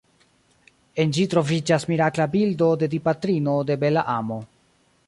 En ĝi troviĝas mirakla bildo de Dipatrino de Bela Amo.